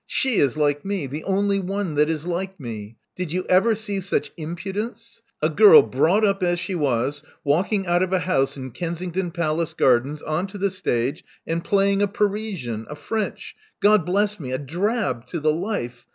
She is like me, the only one that is like me. Did you ever see such impudence? A girl bought up as she was, walking out of a house in Kensington Palace Gardens on to the stage, and playing a Parisian — a French — Gad bless me, a drab ! to the life.